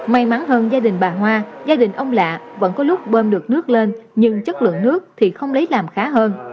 may mắn hơn gia đình bà hoa gia đình ông lạ vẫn có lúc bơm được nước lên nhưng chất lượng nước thì không lấy làm khá hơn